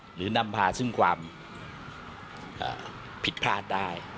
หรือนำพาซึ่งความผิดพลาดได้